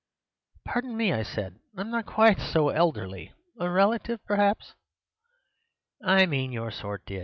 "'Pardon me,' I said, 'I am not quite so elderly. A relative perhaps.' "'I mean your sort did!